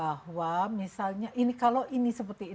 nah itu akan misalnya hilang dan kemudian ada yang mengambil